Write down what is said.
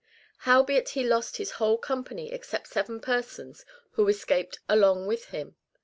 Howbeit he lost his whole company except seven persons who escaped along with him.